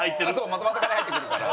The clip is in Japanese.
まとまった金入ってくるから。